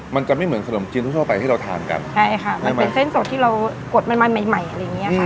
มันจะไม่เหมือนขนมจีนทั่วทั่วไปที่เราทานกันใช่ค่ะมันเป็นเส้นสดที่เรากดมันมาใหม่ใหม่อะไรอย่างเงี้ยค่ะ